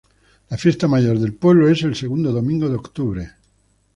La fiesta Mayor del pueblo es el segundo domingo de octubre.